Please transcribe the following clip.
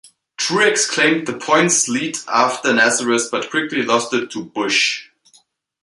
Truex claimed the points lead after Nazareth but quickly lost it to Busch.